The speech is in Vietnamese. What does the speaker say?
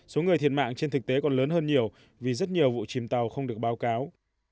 số người thiệt mạng trên thực tế còn lớn hơn nhiều vì rất nhiều vụ chìm tàu không được báo cáo